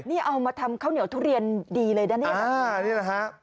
นี่เอามาทำข้าวเหนียวทุเรียนดีเลยนะนี่แหละครับ